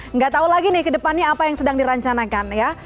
nggak tahu lagi nih ke depannya apa yang sedang dirancanakan ya